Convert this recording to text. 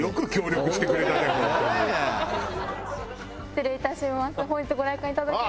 失礼いたします。